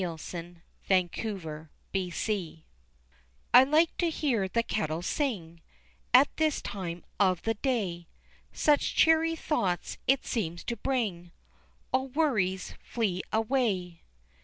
] The Tea Kettle's Tune I like to hear the kettle sing At this time of the day, Such cheery thoughts it seems to bring, All worries flee away.